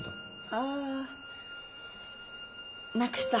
ああなくした